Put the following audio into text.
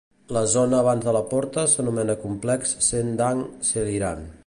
La zona abans de la porta s'anomena complex Sendang Seliran.